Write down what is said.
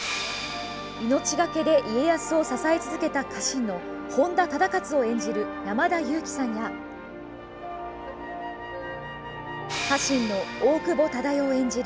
命がけで家康を支え続けた家臣の本多忠勝を演じる山田裕貴さんや家臣の大久保忠世を演じる